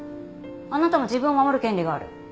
あなたも自分を守る権利がある。